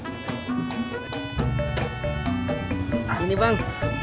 nah ini bang